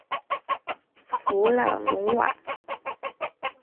弗朗努瓦。